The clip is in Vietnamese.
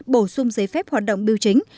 bổ sung giấy phép hoạt động biêu chính